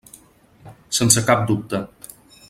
Sense cap dubte.